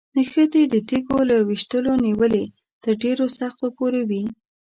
نښتې د تیږو له ویشتلو نیولې تر ډېرو سختو پورې وي.